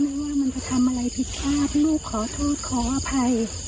ว่ามันจะทำอะไรผิดพลาดลูกขอโทษขออภัย